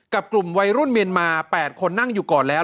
กับกลุ่มวัยรุ่นเมียนมา๘คนนั่งอยู่ก่อนแล้ว